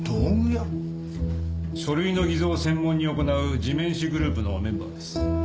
書類の偽造を専門に行う地面師グループのメンバーです。